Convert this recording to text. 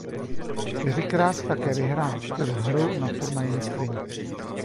Čtyřikrát také vyhrála čtyřhru na Turnaji mistryň.